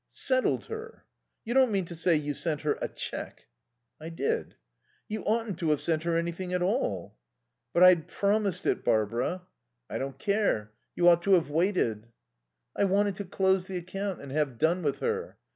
"Settled her? You don't mean to say you sent her a cheque?" "I did." "You oughtn't to have sent her anything at all." "But I'd promised it, Barbara " "I don't care. You ought to have waited." "I wanted to close the account and have done with her."